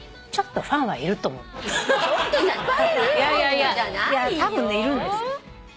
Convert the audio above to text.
いやいやたぶんねいるんです。